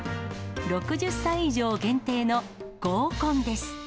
６０歳以上限定の合コンです。